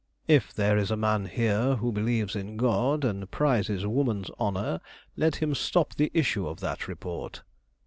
"If there is a man here who believes in God and prizes woman's honor, let him stop the issue of that report."